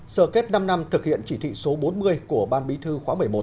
sở kết năm năm thực hiện chỉ thị số bốn mươi của ban bí thư khóa một mươi một